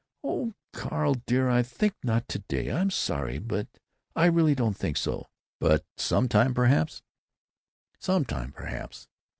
"Oh, Carl dear, I think not to day. I'm sorry, but I really don't think so." "But some time, perhaps?" "Some time, perhaps!"